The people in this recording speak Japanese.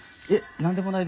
なんでもないです。